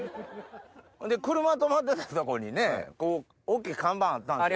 ほんで車止まってたとこにね大きい看板あったんですよね。